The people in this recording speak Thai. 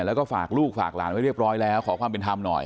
แล้วก็ฝากลูกฝากหลานไว้เรียบร้อยแล้วขอความเป็นธรรมหน่อย